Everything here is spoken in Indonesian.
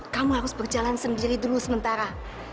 kamu harus berjalan sendiri dulu sementara